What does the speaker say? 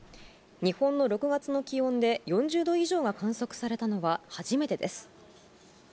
日本の６月の気温で４０度以上が観測されたのは初めてです。